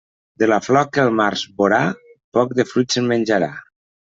De la flor que el març vorà, poc de fruit se'n menjarà.